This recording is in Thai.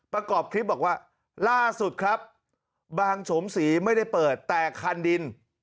ประกอบคลิปบอกว่าล่าสุดครับบางโฉมศรีไม่ได้เปิดแต่คันดิน